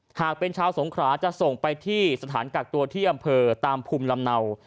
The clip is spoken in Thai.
หากเป็นชาวสงขราจะส่งไปที่สถานกักตัวที่อำเภอตามภูมิลำเนา